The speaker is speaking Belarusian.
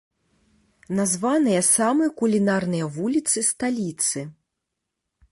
Названыя самыя кулінарныя вуліцы сталіцы.